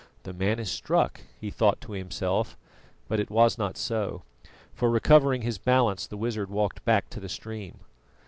"The man is struck," he thought to himself, but it was not so, for recovering his balance, the wizard walked back to the stream.